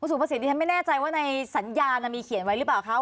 คุณสูตรประสิทธิ์ท่านไม่แน่ใจว่าในสัญญามีเขียนไว้หรือเปล่าคะ